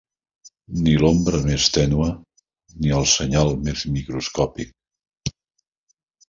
Ni l'ombra més tènue ni el senyal més microscòpic.